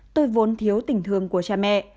tôi vốn thiếu tình thương của cha mẹ